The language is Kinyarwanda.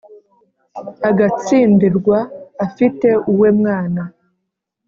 Agatsindirwa afite uwe mwana,